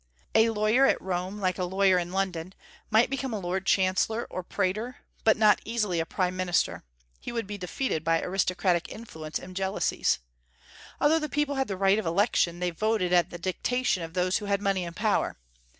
A lawyer at Rome, like a lawyer in London, might become a lord chancellor or praetor, but not easily a prime minister: he would be defeated by aristocratic influence and jealousies. Although the people had the right of election, they voted at the dictation of those who had money and power.